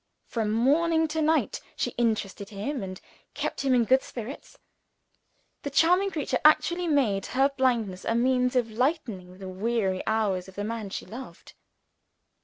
From morning to night, she interested him, and kept him in good spirits. The charming creature actually made her blindness a means of lightening the weary hours of the man she loved.